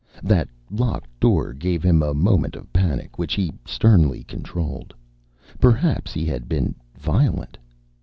That locked door gave him a moment of panic which he sternly controlled. Perhaps he had been violent.